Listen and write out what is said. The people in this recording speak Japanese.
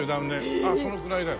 ああそのくらいだよ。